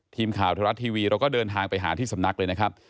ทีมข่าวไทยรัฐทีวีเราก็เดินทางไปหาที่สำนักเลยนะครับ